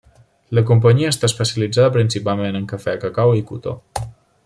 La companyia està especialitzada principalment en cafè, cacau i cotó.